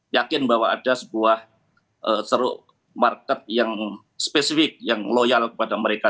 yakin bahwa ada sebuah ceruk market yang spesifik yang loyal kepada mereka